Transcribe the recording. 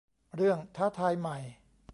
เรื่องท้าทายใหม่